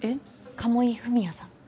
鴨井文哉さん。